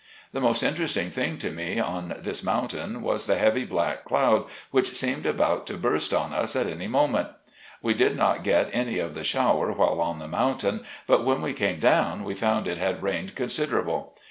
The most interesting thing to me on this moun tain was the heavy black cloud which seemed about to burst on us at any moment. We did not get any of the shower while on the mountain, but when we came down we found it had rained considerable.